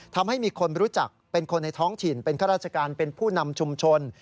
ทำให้มีคนรู้จักเป็นคนในท้องถิ่นเป็นข้าราชการเป็นผู้นำชุมชน